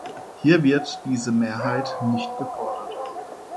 Hier wird diese Mehrheit nicht gefordert.